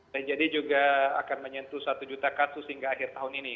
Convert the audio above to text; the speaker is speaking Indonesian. dan jadi juga akan menyentuh satu juta kasus hingga akhir tahun ini